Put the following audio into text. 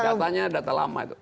datanya data lama itu